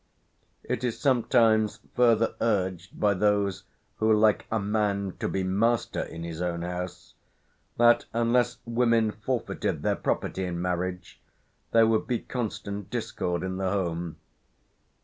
It is sometimes further urged by those who like "a man to be master in his own house," that unless women forfeited their property in marriage, there would be constant discord in the home.